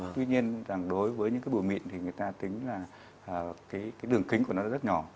tuy nhiên đối với những cái bùi mịn thì người ta tính là cái đường kính của nó rất nhỏ